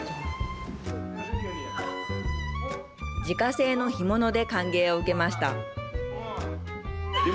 自家製の干物で歓迎を受けました。